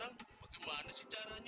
amin ya tuhan